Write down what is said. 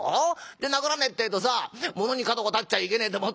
で殴らねえってえとさものに角が立っちゃいけねえと思ってね